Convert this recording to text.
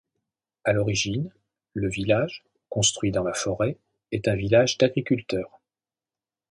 À l'origine, le village, construit dans la forêt, est un village d'agriculteurs.